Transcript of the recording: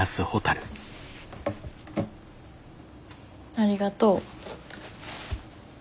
ありがとう。